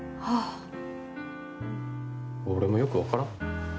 俺もよく分からん。